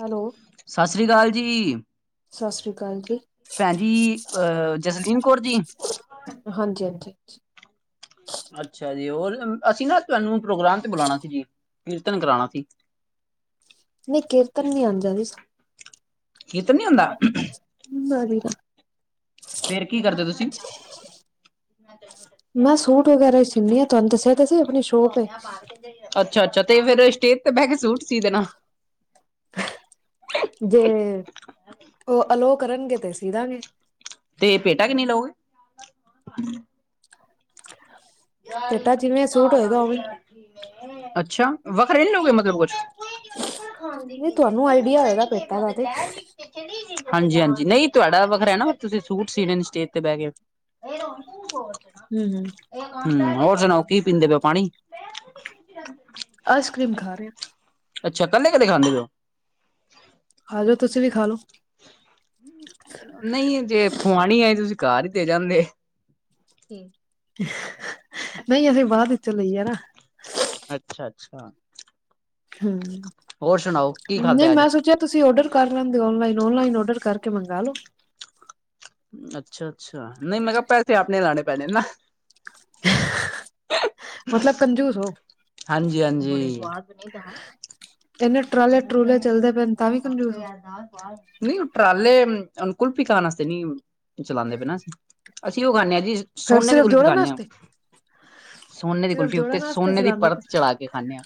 Hello ਸਾ ਸ੍ਰੀ ਕਾਲ ਜੀ। ਸਾ ਸ੍ਰੀ ਕਾਲ। ਭੈਣ ਜੀ, ਅਹ ਜਸਲੀਨ ਕੌਰ ਜੀ। ਹਾਂਜੀ, ਹਾਂਜੀ। ਅੱਛਾ ਜੀ, ਓਹ ਅਸੀਂ ਨਾ ਤੁਐਨੂੰ ਪ੍ਰੋਗਰਾਮ ਤੇ ਬੁਲਾਣਾ ਸੀ ਜੀ, ਕੀਰਤਨ ਕਰਾਣਾ ਸੀ। ਨਈ, ਕੀਰਤਨ ਨੀ ਆਂਦਾ ਜੀ। ਕੀਰਤਨ ਨੀ ਆਂਦਾ? ਮੈਂ ਠੀਕ ਆ। ਫੇਰ ਕੀ ਕਰਦੇ ਓ ਤੁਸੀਂ? ਮੈਂ ਸੂਟ ਵਗੈਰਾ ਈ ਸੀਂਨੀ ਆ, ਤੁਐਨੂੰ ਦੱਸਿਆ ਤਾਂ ਸੀ ਅਪਣੀ ਸ਼ੋਪ ਏ। ਅੱਛਾ-ਅੱਛਾ, ਤੇ ਫੇਰ ਸਟੇਜ ਤੇ ਬੈਹ ਕੇ ਸੂਟ ਸੀ ਦੇਣਾ। ਜੇ ਓਹ ਅਲੋ ਕਰਨਗੇ ਤੇ ਸੀ ਦਾਂਗੇ। ਤੇ ਭੇਟਾ ਕਿੰਨੀ ਲੋਂਗੇ? ਗੱਲ ਪੇਟਾ ਜਿਵੇਂ ਫੀਤਾ ਸੂਟ ਹੋਏਗਾ ਉਵੇਂ ਲਾਈਦੈ। ਅੱਛਾ, ਵੱਖਰੇ ਨੀ ਲੋਗੇ ਮਤਲਬ ਕੋਛ? ਨੀ ਤੁਆਨੂੰ ਆਈਡੀਆ ਹੋਏਗਾ ਭੇਟਾ ਦਾ ਤੇ। ਹਾਂਜੀ-ਹਾਂਜੀ, ਨਹੀਂ ਤੁਐਡਾ ਵੱਖਰਾ ਐਨਾ, ਤੁਸੀਂ ਸੂਟ ਸੀਣੇਣ ਸਟੇਜ ਤੇ ਬੈਹ ਕੇ। ਏਹ ਤੇ ਹੁਣ ਤੂੰ ਸੋਚ ਨਾ। ਹੂੰ, ਹੂੰ। ਹੂੰ, ਹੋਰ ਸੁਣਾਓ, ਕੀ ਪੀਂਦੇ ਪੇ ਓ? ਪਾਣੀ। [unintelligible] ਆਈਸਕਰੀਮ ਖਾ ਰੇ ਆ। ਅੱਛਾ, ਕਲੇ-ਕਲੇ ਖਾਂਦੇ ਪੇ ਓ? ਆਜੋ, ਤੁਸੀਂ ਵੀ ਖਾ ਲੋੋ। ਨਈਂ, ਜੇ ਖਵਾਣੀ ਆਈ ਤੁਸੀਂ ਘਰ ਈ ਦੇ ਜਾਂਦੇ। ਨਈਂ, ਐ ਫੇਰ ਬਾਦ ਵਿਚੋਂ ਲਈ ਐਣਾ। ਸੁਣਾ ਹੂੰ, ਨਹੀਂ ਖਾਧਾ ਅੱਜ ਮੈਂ ਸ ਜੇ ਤੁਸੀਂ ਔਡਰ ਕਰ ਲੈਂਦੇ ਓ, ਔਨਲਾਈਨ, ਔਨਲਾਈਨ ਔਡਰ ਕਰਕੇ ਮੰਗਾਂ ਲੋ। ਅੱਛਾ-ਅੱਛਾ, ਨਹੀਂ, ਮੈਂ ਮੈਂਨੂੰ ਪੈਸੇ ਤੇ ਆਪਣੇ ਲਾਣੇ ਪੈਣੇ ਨਾ। ਮਤਲਬ ਕੰਜੂਸ ਓ। ਹਾਂਜੀ- ਹਾਂਜੀ। ਏਨੇ ਟਰਾਲੇ- ਟਰੂਲੇ ਚੱਲਦੇ ਪਏ ਨੇ, ਤਾਂ ਵੀ ਕੰਜੂਸ ਓ। ਨਾਲ਼ ਬਾਰ। ਨਹੀਂ ਉਹ ਟਰਾਲੇ ਅਮ ਕੁਲਫ਼ੀ ਖਾਣ ਵਸਤੇ ਨੀਂ ਚਲਾਂਨੇ ਪਏ ਨਾ ਅਸੀ, ਅਸੀ ਓਹ ਖਾਣੇ ਆ ਜੀ। ਫਿਰ ਸੋਨੇ ਦੀ ਸਿਰਫ ਕੁਲਫੀ ਜੋੜਨ ਖਾਂਨੇ ਆ। ਵਾਸਤੇ ਸੋਨੇ ਦੀ ਸਿਰਫ ਕੁਲਫੀ ਉੱਤੇ, ਜੋੜਨ ਸੋਨੇ ਦੀ ਪਰਤ ਚੜਾ ਕੇ ਖਾਨੇ ਆ।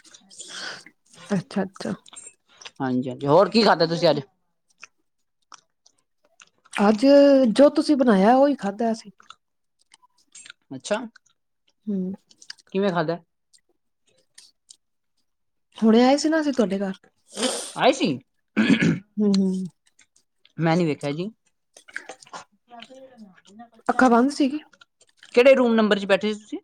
ਅੱਛਾ-ਅੱਛਾ। ਹਾਂਜੀ-ਹਾਂਜੀ, ਹੋਰ ਕੀ ਖਾਂਦਾ ਤੁਸੀਂ ਅੱਜ ਅੱਜ, ਜੋ ਤੁਸੀਂ ਬਣਾਇਆ ਉਹੀ ਖਾਂਦਾ ਅਸੀਂ। ਅੱਛਾ। ਹੂੰ। ਕਿਵੇਂ ਖਾਂਦਾ ਐ। ਹੁਣੇ ਆਏਂ ਸੀ ਨਾ ਅਸੀਂ ਤੁਹਾਡੇ ਘਰ। ਆਏ ਸੀ। ਹੂੰ -ਹੂੰ। ਮੈਂ ਨੀ ਵੇਖਿਆਂ ਜੀ। ਅੱਖਾਂ ਬੰਦ ਸੀਗੀ ਕਿਹੜੇ ਰੂਮ ਨੰਬਰ ਚ ਬੈਠੇ ਸੀ ਤੁਸੀਂ।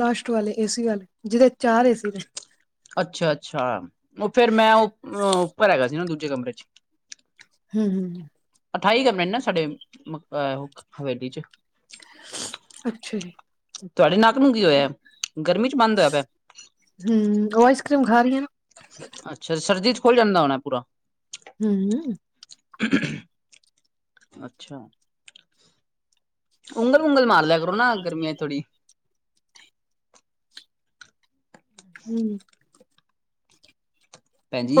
ਲਾਸਟ ਵਾਲੇ ਏਸੀ ਆਲੇ, ਜੀਦੇ ਚਾਰ ਏਸੀ ਨੇ। ਅੱਛਾ- ਅੱਛਾ, ਉਹ ਫਿਰ ਮੈਂ ਓ ਅ ਉੱਪਰ ਹੈਗਾ ਸੀ ਨਾ ਦੂਜੇ ਕਮਰੇ ਚ। ਹੂੰ- ਹੂੰ। ਅਠਾਈ ਕਮਰੇ ਨੇ ਨਾ ਸਾਡੇ ਅ ਹਵੇਲੀ ਚ। ਅੱਛਾ ਜੀ। ਤੁਹਾਡੇ ਨੱਕ ਨੂੰ ਕੀ ਹੋਇਆ, ਗਰਮੀ ਚ ਬੰਦ ਹੋਇਆਂ ਪਿਆ। ਹੂੰ, ਉਹ ਆਈਸ ਕਰ੍ਰੀਮ ਖਾਂ ਰੀ ਆ ਨਾ। ਅੱਛਾ, ਸਰਦੀ ਚ ਖੁੱਲ ਜਾਂਦਾ ਹੋਣਾਂ ਪੂਰਾਂ। ਹੂੰ। [inaudible] ਅੱਛਾ, ਉਂਗਲ- ਉੁਗਲ ਮਾਰ ਲ਼ਿਆ ਕਰੋ ਨਾ ਗਰਮੀਆਂ ਚ ਥੋੜ੍ਹੀ। ਹੂੰ।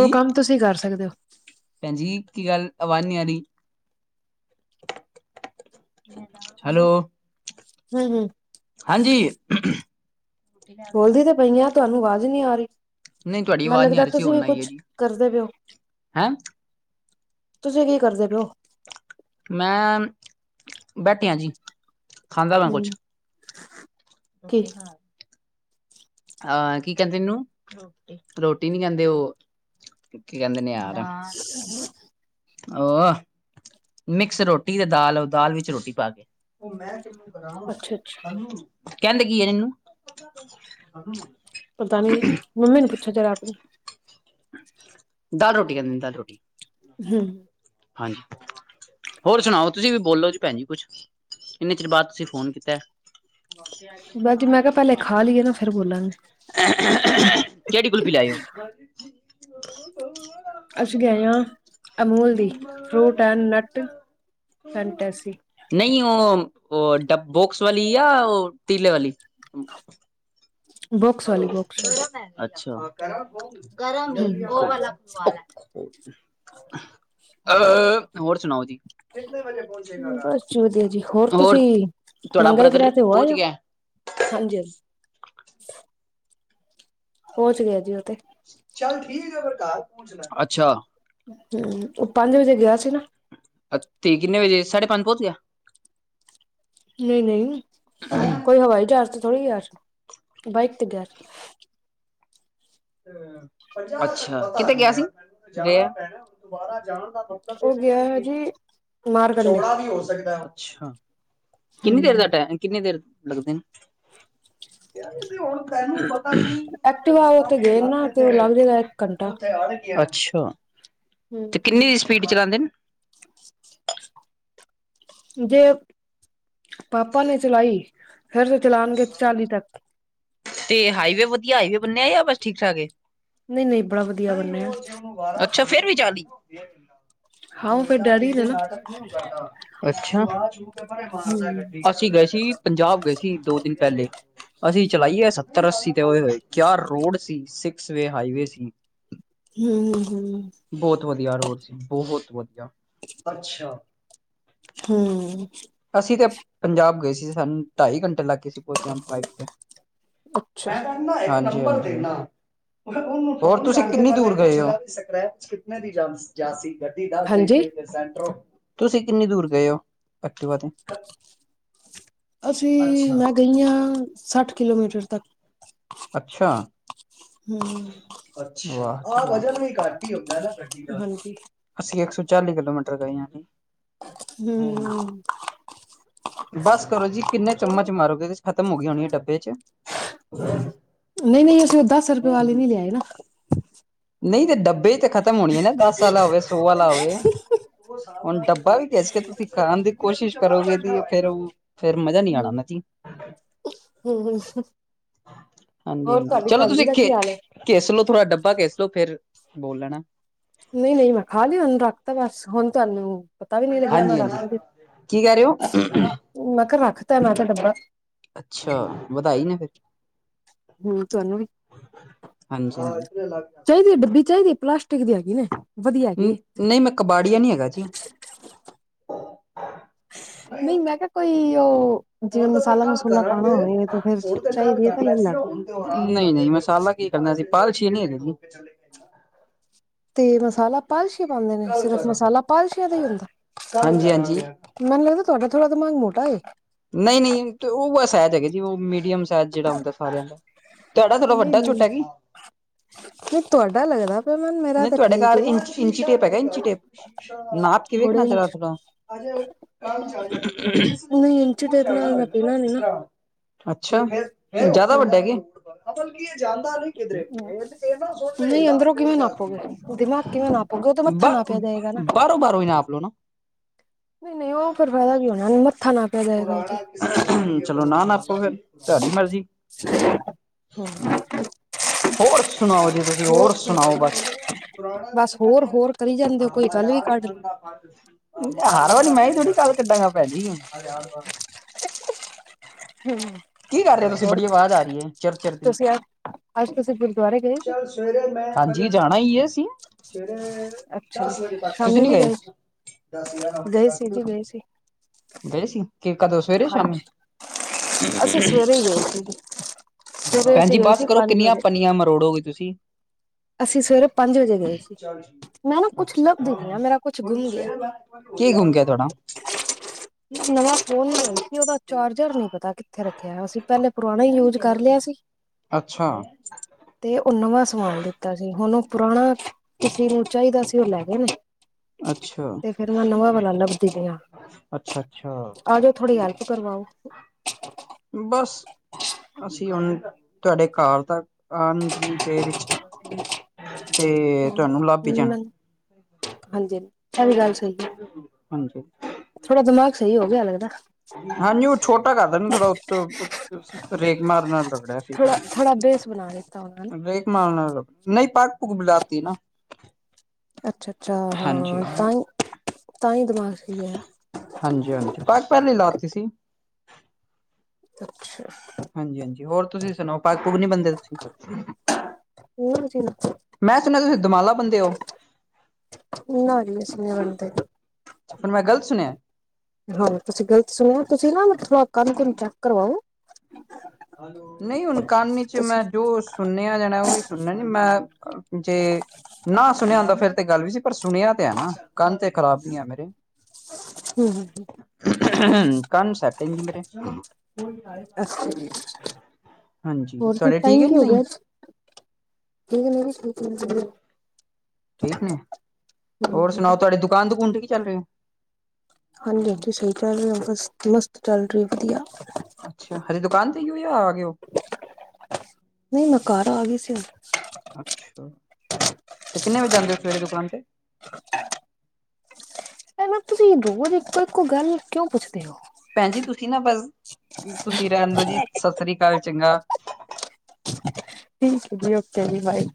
ਓ ਕੰਮ ਤੁਸੀਂ ਕਰ ਸਕਦੇ ਔ। ਭੈਣਜੀ, ਕੀ ਗੱਲ ਆਵਾਜ਼ ਨੀ ਆ ਰੀ। ਹੈਲੋ। ਹੂੰ-ਹੂੰ। ਹਾਂਜੀ। ਬੋਲਦੀ ਤੇ ਪਈ ਆਂ, ਤੁਹਾਨੂੰ ਆਵਾਜ਼ ਨੀਂ ਆ ਰੀ, ਨਹੀਂ ਤੁਹਾਡੀ ਮੈਂਨੂੰ ਆਵਾਜ਼ ਨੀ ਆ ਲੱਗਦਾ ਰਹੀ ਸੀ ਤੁਸੀਂ ਵੀ ਹੁਣ ਆਈ ਹੈ ਕੁੱਛ ਜੀ ਕਰਦੇ ਪੇ ਓ। ਹੈਂ। ਤੁਸੀਂ ਕੀ ਕਰਦੇ ਪੇ ਔ। ਮੈਂ, ਬੈਠਿਆਂ ਜੀ। ਹੂੰ। ਕੀ ਹਾਲ। ਹਾਂ ਕੀ ਕਹਿੰਦੇ ਏਨੂੰ, ਰੋਟੀ ਨੀ ਕਹਿੰਦੇ ਓ ਕੀ ਕਹਿੰਦੇ ਨੇ ਯਾਰ [unintelligible] ਉਹ ਅ ਮਿਕਸ ਰੋਟੀ ਤੇ ਦਾਲ, ਦਾਲ ਵਿੱਚ ਰੋਟੀ ਪਾ ਕੇ। ਅੱਛਾ ਅੱਛਾ ਕਹਿੰਦੇ ਕੀ ਆ ਇਨੂੰ ਪਤਾ ਨੀ ਮੰਮੀ ਨੂੰ ਪੁੱਛੋ ਜਰਾ ਕ ਦਾਲ ਰੋਟੀ ਕਹਿੰਦੇ ਦਾਲ ਰੋਟੀ ਹੂੰ ਹਾਂਜੀ। ਹੋਰ ਸੁਣਾਓ ਤੁਸੀਂ ਵੀ ਬੋਲੋ ਜੀ ਭੈਣ ਜੀ ਕੁਛ ਇੰਨੇ ਚਿਰ ਬਾਅਦ ਤੁਸੀਂ ਫੋਨ ਕੀਤਾ। ਬਸ ਜੀ ਮੈਂ ਕਿਹਾ ਪਹਿਲੇ ਖਾ ਲਈਏ ਨਾ ਫੇਰ ਬੋਲਾਂਗੀ। ਕਿਹੜੀ ਕੁਲਫੀ ਲਿਆਏ ਹੋ? ਅਸੀਂ ਲਿਆਏ ਹਾਂ ਅਮੂਲ ਦੀ ਫਰੂਟ ਐਂਡ ਨੱਟ ਫਨਟੈਸੀ। ਨਈ ਉਹ ਉਹ ਬੋਕਸ ਵਾਲੀ ਜਾਂ ਉਹ ਤੀਲੇ ਵਾਲੀ? ਬੁਕਸ ਵਾਲੀ ਬੁਕਸ ਵਾਲੀ ਅੱਛਾ। ਗਰਮ ਹੀ ਹਮ ਉਹ ਵਾਲਾ ਪਾ ਲੈਣ ਹੋਰ ਸੁਣਾਓ ਜੀ? ਬਸ ਵਧੀਆ ਜੀ ਹੋਰ ਤੁਸੀਂ ਤੁਹਾਡਾ ਮੰਗਲ ਬ੍ਰਦਰ ਗ੍ਰਹਿ ਤੇ ਹੋ ਪਹੁੰਚ ਆਏ ਹੋ। ਗਿਆ ਹਾਂਜੀ ਹਾਂਜੀ। ਪਹੁੰਚ ਗਿਆ ਜੀ ਉਹ ਤੇ ਚੱਲ ਠੀਕ ਆ ਫਿਰ ਘਰ ਪੁੱਜਦਾ ਅੱਛਾ। ਹੂੰ ਉਹ ਪੰਜ ਵਜੇ ਗਿਆ ਸੀ ਨਾ ਬਤੀ ਕਿੰਨੇ ਵਜੇ ਆਈ ਸਾਢੇ ਪੰਜ ਪਹੁੰਚ ਗਿਆ? ਨਹੀਂ ਨਹੀਂ ਕੋਈ ਹਵਾਈ ਜਹਾਜ਼ ਤੇ ਥੋੜ੍ਹੀ ਗਿਆ ਸੀ ਬਾਈਕ ਤੇ ਗਿਆ ਸੀ। ਅੱਛਾ ਕਿਥੇ ਗਿਆ ਸੀ। ਉਹ ਗਿਆ ਹੈ ਜੀ ਮਾਰਕੰਡੇ ਚੌੜਾ ਵੀ ਹੋ ਸਕਦਾ, ਅੱਛਾ। ਕਿੰਨੀ ਦੇਰ ਹਮ ਦਾ ਟੇਮ ਕਿੰਨੀ ਦੇਰ ਲੱਗਦੇ ਨੇ? [unintelligible] ਇਹ ਐਕਟਿਵਾ ਉਥੇ ਗਏ ਨਾ ਤੇ ਉਹ ਲੱਗ ਜਾਏਗਾ ਇੱਕ ਘੰਟਾ। ਅੱਛਾ। ਕੋਈ ਤੇ ਨੀ ਕਿੰਨੀ ਸਪੀਡ ਚਲਾਉਂਦੇ ਨੇ ਜੇ ਪਾਪਾ ਨੇ ਚਲਾਈ ਫਿਰ ਤੇ ਚਲਾਂਨਗੇ ਚਾਲੀ ਤੱਕ ਤੇ ਹਾਈਵੇ ਵਧੀਆ ਹਾਈਵੇ ਬਨਿਆ ਆ ਬਸ ਠੀਕ ਠਾਕ ਹੈ? ਨਹੀਂ ਨਹੀਂ ਬੜਾ ਵਧੀਆ ਬਣਿਆ ਅੱਛਾ ਫੇਰ ਵੀ ਚਾਲ਼ੀ ਹਾਂ ਉਹ ਫੇਰ ਡੈਡੀ ਨੇ ਨਾ ਅੱਛਾ ਹਮ ਅਸੀਂ ਗਏ ਸੀ ਪੰਜਾਬ ਗਏ ਸੀ। ਦੋ ਦਿਨ ਪਹਿਲੇ ਅਸੀਂ ਚਲਾਈ ਏ ਸੱਤਰ ਅੱਸੀ ਤੇ ਉਏ ਹੋਏ ਕਿਆ ਰੋਡ ਸੀ ਸਿਕਸ ਵੇ ਹਾਈਵੇ ਸੀ। ਹ ਹੂੰ ਹੂੰ ਹੂੰ ਬਹੁਤ ਵਧੀਆ ਰੋਡ ਸੀ ਬਹੁਤ ਵਧੀਆ ਅੱਛਾ। ਹੂੰ ਅਸੀਂ ਤੇ ਪੰਜਾਬ ਗਏ ਸੀ ਸਾਨੂੰ ਢਾਈ ਘੰਟੇ ਲੱਗ [unintelligible] ਅੱਛਾ ਹਾਂਜੀ-ਹਾਂਜੀ। ਹੋਰ ਤੁਸੀਂ ਕਿੰਨੀ ਦੂਰ ਗਏ ਉ? ਹਾਂਜੀ ਤੁਸੀਂ ਕਿੰਨੀ ਦੂਰ ਗਏ ਓ? ਅਸੀਂ ਮੈਂ ਗਈਆਂ ਸੱਠ ਕਿਲੋਮੀਟਰ ਤੱਕ। ਅੱਛਾ। ਹੂੰ। ਅੱਛਿਆ, ਆਹ ਬਜਟ ਵੀ ਘੱਟ ਹੀ ਹੁੰਦਾ ਨਾ ਗੱਡੀ ਦਾ। ਹਾਂਜੀ ਅਸੀਂ ਇੱਕ ਸੌ ਚਾਲੀ ਕਿਲੋਮੀਟਰ ਗਏ ਆਂ ਜੀ। ਹੂੰ। ਬਸ ਕਰੋ ਜੀ ਕਿੰਨੇ ਚਮਚ ਮਾਰੋਗੇ ਏਦੇ ਚ ਖਤਮ ਹੋਗੀ ਹੋਣੀ ਆ ਡੱਬੇ ਚ। ਨਈ- ਨਈ ਅਸੀਂ ਓਹ ਦਸ ਰੁਪਏ ਵਾਲੇ ਨੀ ਲਿਆਏ ਨਾ। ਨਹੀਂ ਤੇ ਡੱਬੇ ਚ ਤੇ ਖ਼ਤਮ ਹੋਣੀ ਐ ਨਾ ਦਸ ਆਲਾ ਹੋਵੇ ਸੌ ਆਲਾ ਹੋਵੇ। ਹਮ ਹੁਣ ਡੱਬਾ ਵੀ ਘਿਸਕੇ ਤੁਸੀਂ ਖਾਣ ਦੀ ਕੋਸ਼ਿਸ਼ ਕਰੋਗੇ ਦੀ ਫੇਰ ਉਹ ਫੇਰ ਮਜ਼ਾ ਨੀ ਆਣਾ ਮਾਸੀ। ਹਮ ਹੋਰ ਹਾਂਜੀ-ਹਾਂਜੀ ਤੁਹਾਡੀ ਚਲੋ ਭੈਣ ਜੀ ਤੁਸੀਂ ਦਾ ਖੇ ਕੀ ਹਾਲ ਹੈ ਘਿਸਲੋ ਥੋੜਾ ਡੱਬਾ ਘਿਸਲੋ ਫੇਰ ਬੋਲ ਲੈਣਾ। ਨਈ- ਨਈ ਮੈਂ ਖਾ ਲਿਆ ਓਹਨੂੰ ਰੱਖਤਾ ਬਸ ਹੁਣ ਤੁਹਾਨੂੰ ਪਤਾ ਵੀ ਨੀ ਲੱਗਿਆ ਮੈ ਹਾਂਜੀ ਰੱਖ ਹਾਂਜੀ ਕੇ ਤੇ ਕੀ ਕਹਿ ਰਹੇ ਹੋ ਮੈਂ ਕਿਹਾ ਰੱਖਤਾ ਮੈਂ ਤੇ ਡੱਬਾ। ਅੱਛਾ, ਵਦਾਈ ਨੇ ਫੇਰ ਹੂੰ ਤੁਹਾਨੂੰ ਵੀ, ਹਾਂਜੀ ਹਾਂਜੀ ਚਾਈਦੀ ਡੱਬੀ ਚਾਈਦੀ ਪਲਾਸ ਟਿਕ ਦੀ ਹੈਗੀ ਨੇ। ਵਧੀਆ ਹੈਗੀ ਨ ਏ। ਨਹੀਂ ਮੈਂ ਕਬਾੜੀਆ ਨੀ ਹੈਗਾ ਜੀ। ਨਈ ਮੈਂ ਕਿਹਾ ਕੋਈ ਓ ਜਿਵੇਂ ਮਸਾਲਾ- ਮਸੂਲਾ ਪਾਣਾ ਹੋਵੇ ਤੇ ਫੇਰ ਚਾਹੀਦੀ ਐ ਤਾਂ ਲੈ ਲੈਣਾ। ਨਈ- ਨਈ ਮਸਾਲਾ ਕੀ ਕਰਨਾ ਅਸੀ ਪਾਲਸ਼ੀਨੀ ਹੈਗੇ ਜੀ। ਤੇ ਮਸਾਲਾ ਪਾਲਸ਼ੀ ਪਾਉਂਦੇ ਨੇ ਸਿਰਫ਼ ਮਸਾਲਾ ਪਾਲਸ਼ੀਆਂ ਦਾ ਈ ਹੁੰਦਾ। ਹਾਂਜੀ ਹਾਂਜੀ ਮੈਨੂੰ ਲਗਦਾ ਤੁਹਾਡਾ ਥੋੜਾ ਦਿਮਾਗ ਮੋਟਾ ਏ। ਨਹੀਂ- ਨਹੀਂ ਓ ਉਹ ਸੈਜ ਹੈਗਾ ਜੀ ਉਹ ਮੀਡੀਅਮ ਸੈਜ ਜਿਹੜਾ ਹੁੰਦਾ ਸਾਰਿਆਂ ਦਾ। ਤੁਹਾਡਾ ਥੋੜਾ ਨਹੀਂ ਨਹੀਂ ਵੱਡਾ-ਛੋਟਾ ਐ ਕੀ? ਤੁਹਾਡਾ ਲੱਗਦਾ ਪਿਆ ਮੈਨੂੰ ਮੇਰਾ ਨਹ ਤਾਂ ਤੁਹਾਡੇ ਠੀਕ ਘਰ ਏ ਇੰਚ ਇੰਚੀ ਟੇਪ ਹੈਗਾ ਇੰਚੀ ਟੇਪ। ਨਾਪ ਕੇ ਵੇਖਣਾ ਬੜੇ ਜਰਾ ਇੰਚ ਆਪਨਾ ਦੂਰ ਨਹੀਂ ਇੰਚੀ ਟੇਪ ਜਾਣਾ ਨਾਲ ਮੈਂ ਹੋਏਗਾ ਨਾ ਪੀਣਾ ਨੀ ਜਿਸ ਤਰਾਂ ਅੱਛਾ ਜਿਆਦਾ ਹੂੰ। ਵੱਡਾ ਏ ਕੀ। ਕਿਧਰੇ [unintelligible] ਨਾ ਸੋਨੂੰ ਨਹੀਂ ਭੇਜਦਾ ਅੰਦਰੋਂ ਸੋ ਕਿਵੇਂ ਜਾਸੀ ਨਾਪੋਗੇ ਦਿਮਾਗ ਕਿਵੇਂ ਨਾਪੋਗੇ ਉਹ ਤਾਂ ਮੱਥਾ ਬ ਨਾਪਿਆ ਜਾਏਗਾ ਨਾ। ਬਾਰੋ-ਬਾਰੋ ਈ ਨਾਪ ਲੋ ਨਾ। ਨਹੀਂ-ਨਹੀਂ ਉਹ ਫੇਰ ਫਾਇਦਾ ਨੀ ਹੋਣਾ ਮੱਥਾ ਨਾ ਚਲੋ ਨਾ ਨਾਪੋ ਫੇਰ ਤੁਹਾਡੀ ਮਰਜ਼ੀ। ਹੂੰ। ਹੋਰ ਸੁਣਾਓ ਜੀ ਤੁਸੀਂ, ਹੋਰ ਸੁਣਾਓ ਬਸ। ਪੁਰਾਣਾ ਬਸ ਹੋਰ [unintelligible] ਹੋਰ ਕਰੀ ਜਾਂਦੇ ਹੋ ਆ ਕੋਈ ਗੱਲ ਵੀ ਅਚਾਰ ਕੱਢ ਖਾਣ ਲਓ ਦਾ ਹਰ ਵਾਰ ਮੈਂ ਹੀ ਥੋੜੀ ਗੱਲ ਕੱਢਾਂਗਾ, ਭੈਜੀ। ਹੂੰ। ਕੀ ਕਰ ਰਹੇ ਹੋ ਤੁਸੀਂ, ਬੜੀ ਆਵਾਜ਼ ਆ ਰਹੀ ਐ ਚਿਰ-ਚਿਰ ਦੀ। ਤੁਸੀਂ ਅੱਜ ਅੱਜ ਤੁਸੀਂ ਗੁਰਦੁਆਰੇ ਗਏ ਸੀ ਹਾਂਜੀ ਜਾਣਾ ਈ ਏ ਅਸੀਂ। ਅੱਛਾ ਜੀ ਦਸ ਵਜੇ ਤੱਕ। ਤੁਸੀਂ ਸ਼ਾਮੀ ਨੀ ਵੀ ਗਏ? ਸੀ? ਦਸ ਗਿਆਰਾਂ ਵਜੇ ਗਏ ਸੀ ਤੱਕ। ਜੀ ਗਏ ਸੀ ਗਏ ਸੀ ਕਿ ਕਦੋਂ ਸਵੇਰੇ ਯ ਸ਼ਾਮੀ? ਹਾਂਜੀ ਅਸੀਂ ਸਵੇਰੇ ਹੀ ਗਏ ਸੀਗੇ। ਭੈਣਜੀ ਬਸ ਕਰੋ ਕਿੰਨੀਆਂ ਪੰਨੀਆਂ ਮਰੋੜੋਗੇ ਤੁਸੀਂ? ਅਸੀਂ ਸਵੇਰੇ ਪੰਜ ਵਜੇ ਗਏ ਸੀ। ਮੈਂ ਨਾ ਕੁੱਛ ਲੱਭਦੀ ਪਈ ਆ ਅੱਛਾ, ਮੇਰਾ ਕੁੱਛ ਗੁੰਮ ਗਿਆ ਕੀ ਗੁੰਮ ਗਿਆ ਤੁਹਾਡਾ? ਇੱਕ ਨਵਾਂ ਫੋਨ ਲਿਆਏ ਸੀ ਉਹਦਾ ਚਾਰਜਰ ਨੀ ਪਤਾ ਕਿੱਥੇ ਰੱਖਿਆ ਅਸੀਂ। ਪਹਿਲੇ ਪੁਰਾਣਾ ਹੀ ਯੂਜ ਕਰ ਲਿਆ ਸੀ ਅੱਛਾ ਤੇ ਉਹ ਨਵਾਂ ਸਭਾਲ ਦਿ ਤਾ ਸੀ ਹੁਣ ਉਹ ਪੁਰਾਣਾ ਕਿਸੇ ਨੂੰ ਚਾਹੀਦਾ ਸੀ ਉਹ ਲੈ ਗਏ ਨੇ। ਹ [unintelligible] ਤੇ ਫਿਰ ਮੈਂ ਨਵਾਂ ਵਾਲਾ ਲੱਭਦੀ ਪਈ ਆ। ਅੱਛਾ ਅੱਛਾ ਆ ਜਾਓ ਥੋੜੀ ਹੈਲਪ ਕਰਵਾਓ। ਬਸ। ਅਸੀਂ ਹੁਣ ਤੁਹਾਡੇ ਘਰ ਤਾਂ ਆਉਣ ਜਿੰਨੀ ਦੇਰ ਵਿੱਚ। ਤੇ ਹ ਹ ਤੁਹਾਨੂੰ ਲੱਭ ਹੀ ਜਾਣਾ ਹਾਂਜੀ ਹਾਂ। [unintelligible] ਹਾਂਜੀ। ਥੋੜਾ ਦਿਮਾਗ ਸਹੀ ਹੋ ਗਿਆ ਲੱਗਦਾ। ਹਾਂਜੀ ਉਹ ਛੋਟਾ ਕਰਦਾ ਨੀ ਥੋੜਾ ਉਤੋਂ। ਰੇਕ ਮਾਰ ਨਾਲ ਰਗੜਿਆ ਸੀ। ਨਾਲੇ ਤਾਂ ਹੋਨਾਂ। ਰੇਕ ਮਾਰਨ ਨਾਲ ਨਹੀਂ ਪੱਗ ਪੂਗ ਬੁਲਾਤੀ ਨਾ। ਅੱਛਾ ਅੱਛਾ ਹਾਂਜੀ ਹਾਂ ਤਾਂਹੀ ਤਾਂ ਹੀ ਦਿਮਾਗ ਸਹੀ ਹੈ। ਹਾਂਜੀ ਹਾਂਜੀ ਪਗ ਪਹਿਲਾ ਲਾ ਤੀ ਸੀ। ਅੱਛਾ। ਹਾਂਜੀ ਹਾਂਜੀ ਹੋਰ ਤੁਸੀਂ ਸੁਣਾਓ ਪਹ ਪੂਗ ਨੀ ਬੰਦੇ ਤੁਸੀਂ। ਪੱਗ ਨਹੀਂ ਕੁਛ। ਮੈਂ ਸੁਣਿਆ ਤੁਸੀਂ ਦਮਾਲਾ ਬੰ ਦੇ ਹੋ। ਨਾ ਜੀ ਅਸੀਂ ਨਹੀਂ ਬਣਦੇ। ਫੇਰ ਮੈਂ ਗਲਤ ਸੁਣਿਆ। ਹਾਂ ਤੁਸੀਂ ਗ਼ਲਤ ਸੁਣਿਆ ਤੁਸੀਂ ਨਾ ਥੋੜਾ ਕੰਨ ਕੁਨ ਚੈੱਕ ਕਰਵਾਓ। ਨਹੀਂ ਹੁਣ ਕਾਨ ਚ ਤੁਸੀਂ ਮੈਂ ਜੋ ਸੁਣੇ। ਜਾਣਾ ਉਹੀ ਸੁਣਨਾ ਨੀ ਮੈਂ ਜੇ ਨਾ ਸੁਣਿਆ ਹੁੰਦਾ ਫੇਰ ਤੇ ਗੱਲ ਵੀ ਸੀ। ਪਰ ਸੁਣਿਆ ਤੇ ਐ ਨਾ ਕੰਨ ਤੇ ਖ਼ਰਾਬ ਨੀ ਆ ਮੇਰੇ। ਹੂੰ ਹੂੰ ਹਮ ਕੰਨ ਸੈੱਟ ਆ ਜੀ ਮੇਰੇ। ਅੱਛਾ ਜੀ ਹਾਂਜੀ ਹੋਰ ਤੁਹਾਡੇ ਠੀਕ ਟਾਈਮ ਹੈ ਕਿ ਹੋ ਨਹੀਂ ਗਿਆ। ਠੀਕ ਨਹੀਂ [unintelligible] ਠੀਕ ਨੇ ਹੋਰ ਸੁਣਾਓ ਤੁਹਾਡੀ ਦੁਕਾਨ ਦੁਕੂਨ ਠੀਕ ਚੱਲ ਰਹੀ ਹੈ। ਹਾਂਜੀ ਹਾਂਜੀ ਸਹੀ ਚੱਲ ਰਹੀ ਬਸ ਮਸਤ ਚੱਲ ਰਹੀ ਵਧੀਆ। ਅੱਛਾ ਹਜੇ ਦੁਕਾਨ ਤੇ ਹੀ ਹੋ ਯਾਹ ਆਗੇ ਹੋ। ਨਹੀਂ ਮੈਂ ਘਰ ਆ ਗਈ ਸੀ। ਅੱਛਾ ਤੇ ਕਿੰਨੇ ਵਜੇ ਜਾਂਦੇ ਹੋ ਸਵੇਰੇ ਦੁਕਾਨ ਤੇ। ਅੱ [unintelligible] ਮੈਨੂ ਤੁਸੀਂ ਰੋਜ਼ ਇੱਕੋ ਇੱਕੋ ਗੱਲ ਕਿਉਂ ਪੁੱਛਦੇ ਹੋ। ਭੈਣ ਜੀ ਤੁਸੀਂ ਨਾ ਬਸ ਤੁਸੀਂ ਰਹਿਣ ਦੋ ਜੀ ਸਤਿ ਸ੍ਰੀ ਅਕਾਲ ਚੰਗਾ। ਠੀਕ ਹੈ ਜੀ ਓਕੇ ਜੀ ਬਾਏ।